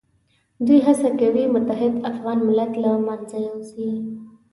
دوی هڅه کوي متحد افغان ملت له منځه یوسي.